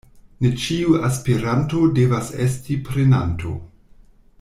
Ne ĉiu aspiranto devas esti prenanto.